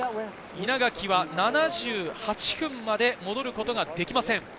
稲垣は７８分まで戻ることができません。